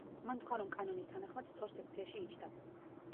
მან თქვა, რომ კანონის თანახმად სწორ სექციაში იჯდა.